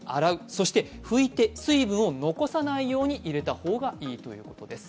そして、拭いて水分を残さないように入れた方がいいということです。